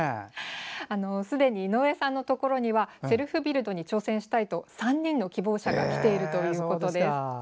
すでに井上さんのところにはセルフビルドに挑戦したいと３人の希望者が来ているということです。